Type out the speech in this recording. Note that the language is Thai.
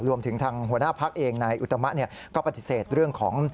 รวมถึงทางหัวหน้าพักเองนายอุตมะก็ปฏิเสธเรื่องของ